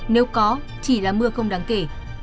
nếu có chỉ là mưa không đáng kể